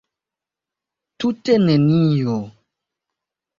Tute nenio!